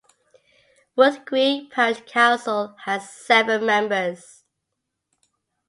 Woodgreen parish council has seven members.